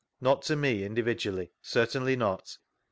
— Not to me in dividually, certainly not.